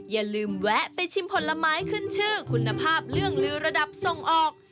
อย่าลืมแวะไปชิมผลไม้ขึ้นชื่อคุณภาพเรื่องลือระดับส่งออก